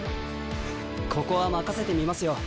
ここは任せてみますよ